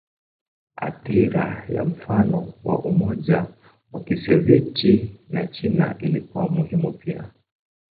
Athira ya mfano wa Umoja wa Kisovyeti na China ilikuwa muhimu pia.